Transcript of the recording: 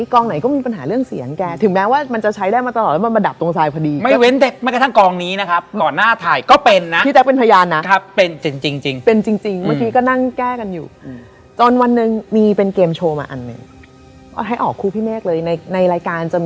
จนสุดท้ายโอเครู้แล้วว่าได้ได้เล่น